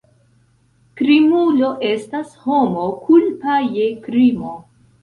Krimulo estas homo kulpa je krimo.